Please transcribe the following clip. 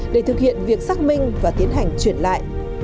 để thực hiện việc xác minh và tiến hành chuyển lại